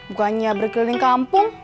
bukannya berkeliling kampung